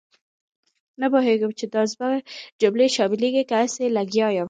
نه پوهېږم چې دا زما جملې شاملېږي که هسې لګیا یم.